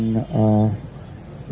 saya sudah mendapat